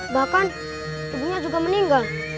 bahkan ibunya juga meninggal